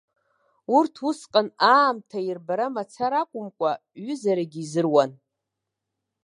Урҭ усҟан аамҭа ирбара мацара акәымкәа, ҩызарагьы изыруан.